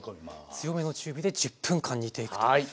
強めの中火で１０分間煮ていくということですね。